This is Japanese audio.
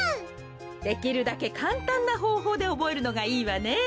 できるだけかんたんなほうほうでおぼえるのがいいわね。